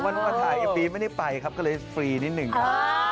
มันเพิ่มมาถ่ายอีกปีไม่ได้ไปครับก็เลยฟรีนิดนึงค่ะ